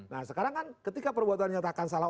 nah sekarang kan ketika perbuatan nyatakan salah